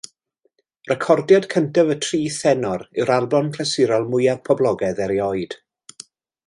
Recordiad cyntaf y Tri Thenor yw'r albwm clasurol mwyaf poblogaidd erioed.